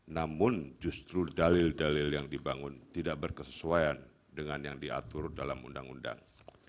namun justru dalil dalil yang dibangun tidak berkesesuaian dengan yang diatur dalam undang undang